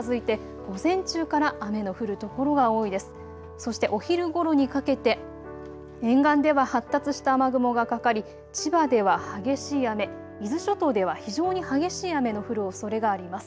そしてお昼ごろにかけて沿岸では発達した雨雲がかかり千葉では激しい雨、伊豆諸島では非常に激しい雨の降るおそれがあります。